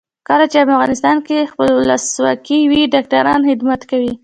کله چې افغانستان کې ولسواکي وي ډاکټران خدمت کوي.